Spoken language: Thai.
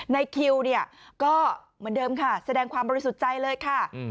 ในคิวเนี่ยก็เหมือนเดิมค่ะแสดงความบริสุทธิ์ใจเลยค่ะ